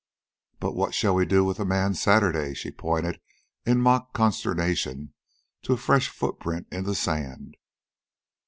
"But what shall we do with Man Saturday!" She pointed in mock consternation to a fresh footprint in the sand.